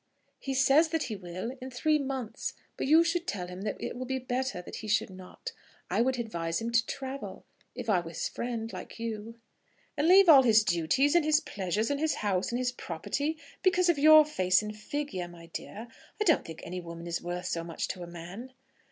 "He says that he will in three months. But you should tell him that it will be better that he should not. I would advise him to travel, if I were his friend, like you." "And leave all his duties, and his pleasures, and his house, and his property, because of your face and figure, my dear! I don't think any woman is worth so much to a man."